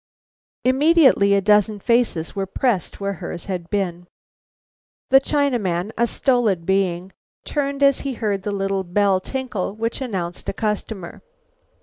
Immediately a dozen faces were pressed where hers had been. The Chinaman, a stolid being, turned as he heard the little bell tinkle which announced a customer.